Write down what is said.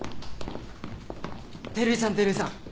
照井さん照井さん。